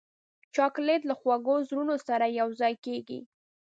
چاکلېټ له خوږو زړونو سره یوځای کېږي.